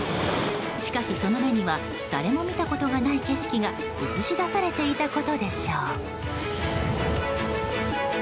しかし、その目には誰も見たことがない景色が映し出されていたことでしょう。